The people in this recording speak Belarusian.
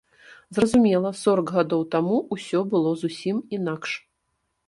Зразумела, сорак гадоў таму ўсё было зусім інакш.